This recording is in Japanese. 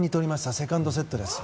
セカンドセットです。